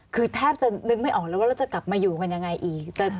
คือแทบจะนึกไม่ออกแล้วว่าเราจะกลับมาอยู่กันยังไงอีก